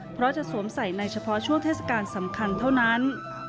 เพราะจะสวมใส่ในเฉพาะช่วงเทศกาลสำคัญเท่านั้น